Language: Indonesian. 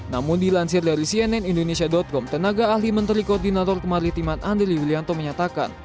namun dilansir dari cnn indonesia com tenaga ahli menteri koordinator kemaritiman andri willianto menyatakan